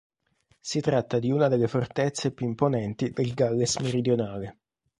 Si tratta di una delle fortezze più imponenti del Galles meridionale.